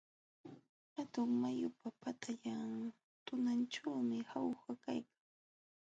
Hatun mayupa patallan tunanćhuumi Jauja kaykan.